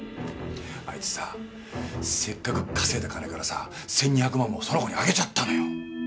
あいつさせっかく稼いだ金からさ１，２００万もその子にあげちゃったのよ。